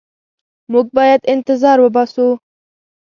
موږ باید انتظار وباسو.